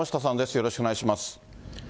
よろしくお願いします。